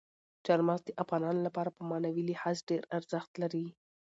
چار مغز د افغانانو لپاره په معنوي لحاظ ډېر ارزښت لري.